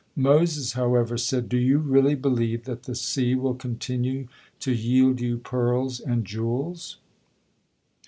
Moses, however, said, "Do you really believe that the sea will continue to yield you pearls and jewels?"